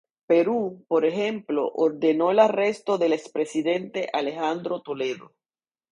Perú, por ejemplo, ordenó el arresto del expresidente Alejandro Toledo.